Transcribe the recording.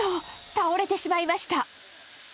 倒れてしまいました。